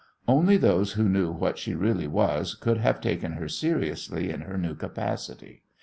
Only those who knew what she really was could have taken her seriously in her new capacity.